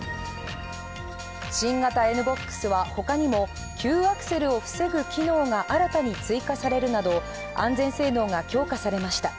新型Ｎ−ＢＯＸは他にも急アクセルを防ぐ機能が新たに追加されるなど安全性能が強化されました。